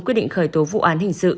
quyết định khởi tố vụ án hình sự